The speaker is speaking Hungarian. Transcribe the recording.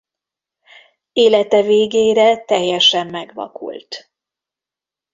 Élete végére teljesen megvakult.